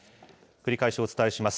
繰り返しお伝えします。